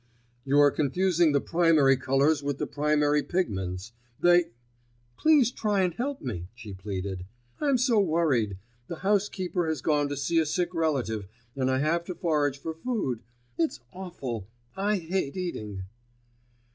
"You are confusing the primary colours with the primary pigments. They——" "Please try and help me," she pleaded; "I'm so worried. The housekeeper has gone to see a sick relative, and I have to forage for food. It's awful. I hate eating."